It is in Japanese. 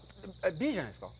Ｂじゃないですか？